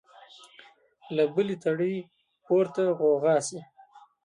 له بلي تړي پورته غوغا سي